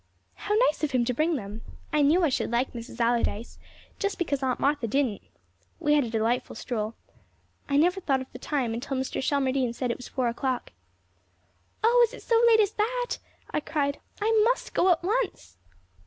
How nice of him to bring them! I knew I should like Mrs. Allardyce, just because Aunt Martha didn't. We had a delightful stroll. I never thought of the time until Mr. Shelmardine said it was four o'clock. "Oh, is it so late as that?" I cried. "I must go at once."